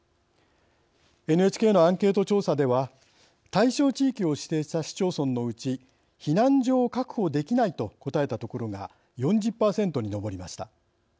ＮＨＫのアンケート調査では対象地域を指定した市町村のうち避難所を確保できないと答えた所が４０％に上りました。